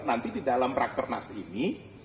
nanti di dalam rakernas ini